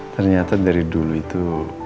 ternyata dari dulu itu